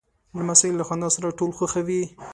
لمسی له خندا سره ټول خوښوي.